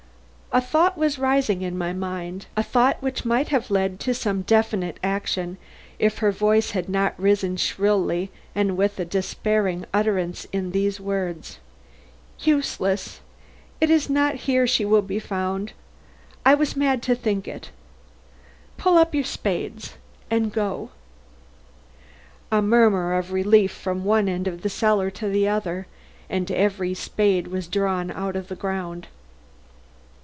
A thought was rising in my mind; a thought which might have led to some definite action if her voice had not risen shrilly and with a despairing utterance in these words: "Useless! It is not here she will be found. I was mad to think it. Pull up your spades and go." A murmur of relief from one end of the cellar to the other, and every spade was drawn out of the ground.